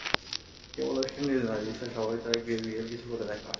কেবল West Indies নয়, বিশ্বের সবাই চায় ক্রিস গেইল কিছু করে দেখাক।